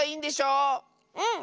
うん。